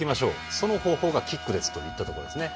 その方法がキックですといったところですね。